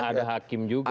ada hakim juga